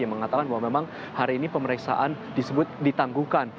yang mengatakan bahwa memang hari ini pemeriksaan disebut ditangguhkan